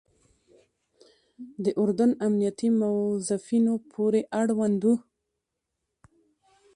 د اردن امنیتي موظفینو پورې اړوند وو.